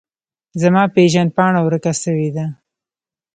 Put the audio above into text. زما پیژند پاڼه ورکه سویده